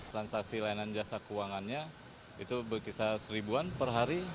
transaksi layanan jasa keuangannya itu berkisar seribuan per hari